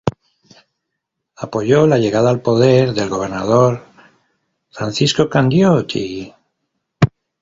Apoyó la llegada al poder del gobernador Francisco Candioti.